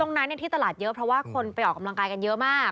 ตรงนั้นที่ตลาดเยอะเพราะว่าคนไปออกกำลังกายกันเยอะมาก